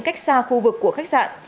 cách xa khu vực của khách sạn